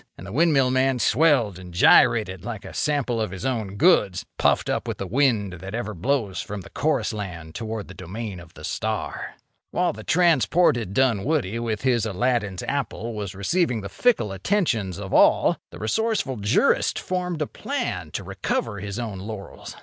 And the windmill man swelled and gyrated like a sample of his own goods, puffed up with the wind that ever blows from the chorus land toward the domain of the star. While the transported Dunwoody, with his Aladdin's apple, was receiving the fickle attentions of all, the resourceful jurist formed a plan to recover his own laurels.